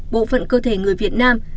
bộ phận cơ thể người việt nam